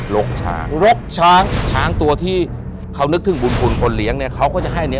รกช้างรกช้างช้างตัวที่เขานึกถึงบุญคุณคนเลี้ยงเนี่ยเขาก็จะให้เนี้ย